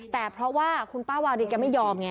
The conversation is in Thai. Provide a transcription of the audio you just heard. แต่เพราะว่าคุณป้าวารีแกไม่ยอมไง